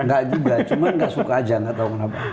nggak juga cuma nggak suka aja nggak tau kenapa